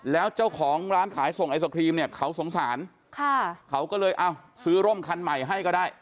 แล้วเจ้าของร้านขายส่งไอศครีมเนี่ยเขาสงสารค่ะเขาก็เลยเอาซื้อร่มคันใหม่ให้ก็ได้